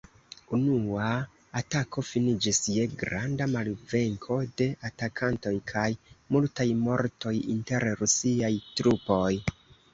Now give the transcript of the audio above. Unua atako finiĝis je granda malvenko de atakantoj kaj multaj mortoj inter Rusiaj trupoj.